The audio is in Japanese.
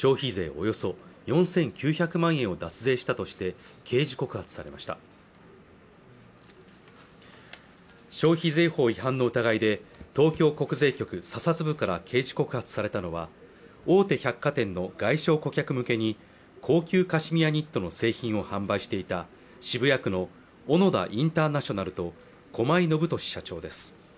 およそ４９００万円を脱税したとして刑事告発されました消費税法違反の疑いで東京国税局査察部から刑事告発されたのは大手百貨店の外商顧客向けに高級カシミヤニットの製品を販売していた渋谷区のオノダインターナショナルと駒井伸俊社長です